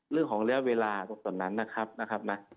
เรื่องของเรื้อเวลาส่วนนั้นนะครับ